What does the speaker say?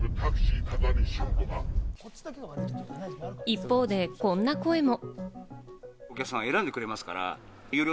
一方でこんな声も。